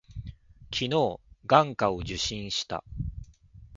昨日、眼科を受診した。